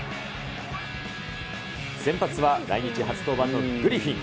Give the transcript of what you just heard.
先発は来日初登板のグリフィン。